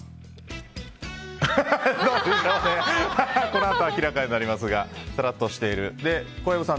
このあと明らかになりますがさらっとしている。